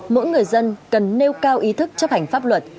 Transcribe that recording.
mỗi người dân cần nêu cao ý thức chấp hành pháp luật